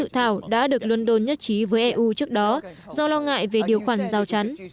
thảo đã được london nhất trí với eu trước đó do lo ngại về điều khoản giao chắn